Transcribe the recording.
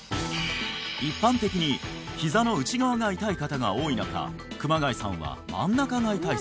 一般的にひざの内側が痛い方が多い中熊谷さんは真ん中が痛い